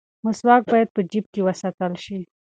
مسواک باید په جیب کې وساتل شي.